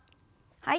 はい。